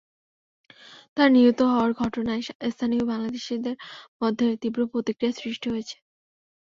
তাঁর নিহত হওয়ার ঘটনায় স্থানীয় বাংলাদেশিদের মধ্যে তীব্র প্রতিক্রিয়া সৃষ্টি হয়েছে।